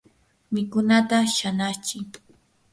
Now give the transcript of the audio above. mikunata shanachi.